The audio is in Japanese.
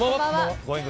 Ｇｏｉｎｇ！